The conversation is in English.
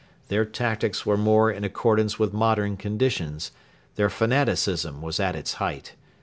Their tactics were more in accordance with modern conditions: their fanaticism was at its height.